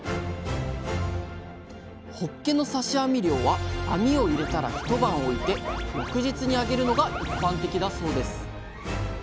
ほっけの刺し網漁は網を入れたら一晩置いて翌日にあげるのが一般的だそうです。